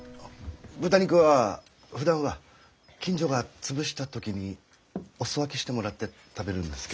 豚肉はふだんは近所が潰した時にお裾分けしてもらって食べるんですけどうん。